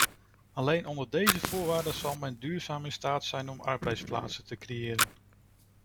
Alleen onder deze voorwaarden zal men duurzaam in staat zijn om arbeidsplaatsen te creëren!